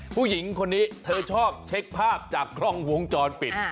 ผู้หญิงคนนี้เธอชอบเช็คภาพจากกล้องวงจรปิด